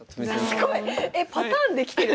すごい！えパターンできてる！